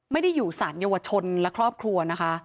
ไม่ได้อยู่สารเยาวชนและครอบครัวนะคะ